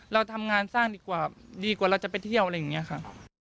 เราทำงานสร้างดีกว่าดีกว่าเราจะไปเที่ยวอะไรอย่างนี้ค่ะ